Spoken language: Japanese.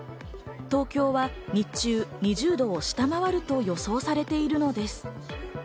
東京は日中２０度を下回ると予想されているのです。